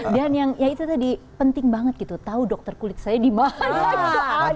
dan yang itu tadi penting banget gitu tau dokter kulit saya dimana